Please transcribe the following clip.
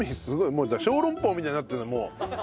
もう小籠包みたいになってるもう。